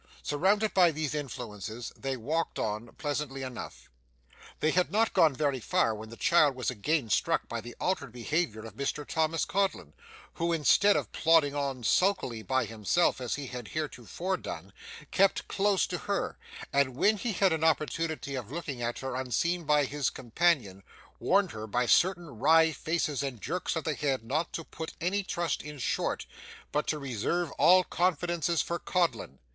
Surrounded by these influences, they walked on pleasantly enough. They had not gone very far, when the child was again struck by the altered behaviour of Mr Thomas Codlin, who instead of plodding on sulkily by himself as he had heretofore done, kept close to her, and when he had an opportunity of looking at her unseen by his companion, warned her by certain wry faces and jerks of the head not to put any trust in Short, but to reserve all confidences for Codlin.